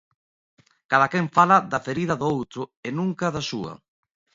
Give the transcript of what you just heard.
Cadaquén fala da ferida do outro e nunca da súa.